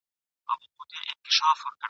زه مرکز د دایرې یم زه هم کُل یم هم ا جزا یم !.